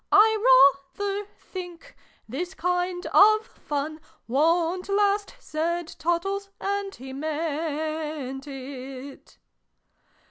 "I rayther think this kind of fun Wont last!" said Tottles (and lie meant if).